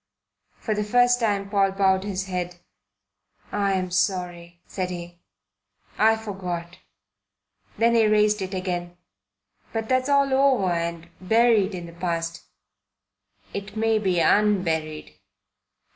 For the first time Paul bowed his head. "I'm sorry," said he. "I forgot." Then he raised it again. "But that's all over and buried in the past." "It may be unburied."